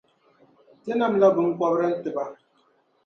Ti namla binkɔbiri n-ti ba.